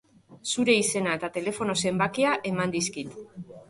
Zure izena eta telefono zenbakia eman dizkit.